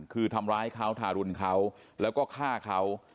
คือทำร้ายเขาทารุณเขาแล้วก็ฆ่าเขา